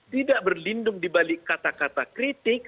tidak berlindung dibalik kata kata kritik